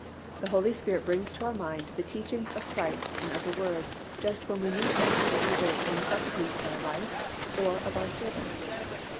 The Holy Spirit brings to our mind the teachings of Christ and of the Word just when we need them for either the necessities of our life or of our service.